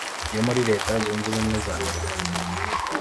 yo muri Leta Zunze Ubumwe za Amerika